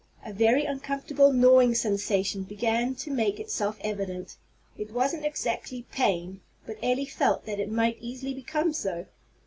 A very uncomfortable gnawing sensation began to make itself evident. It wasn't exactly pain, but Elly felt that it might easily become so.